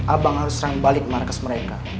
abang harus serang balik markas mereka